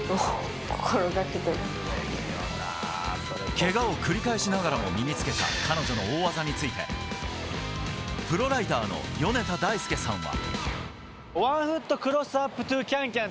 けがを繰り返しながらも身につけた彼女の大技についてプロライダーの米田大輔さんは。